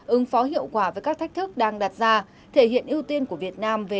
ứng phó hiệu quả với các thách thức đang đặt ra thể hiện ưu tiên của việt nam về